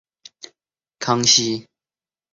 康熙二十八年升贵州黔西州知州。